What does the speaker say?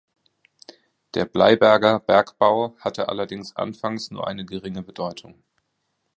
Der Bleiberger Bergbau hatte allerdings anfangs nur eine geringe Bedeutung.